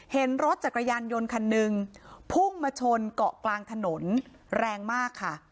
เห็นรถจักรยานยนต์คันหนึ่งพุ่งมาชนเกาะกลางถนนแรงมากค่ะ